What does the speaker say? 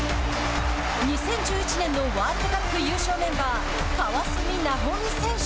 ２０１１年のワールドカップ優勝メンバー川澄奈穂美選手。